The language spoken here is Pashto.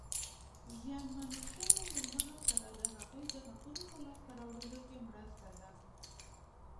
زیانمنو شویو مېرمنو سره د هغوی د حقوقو په لاسته راوړلو کې مرسته ده.